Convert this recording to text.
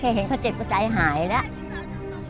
เห็นเขาเจ็บก็ใจหายแล้ว